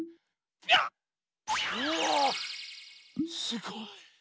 すごい。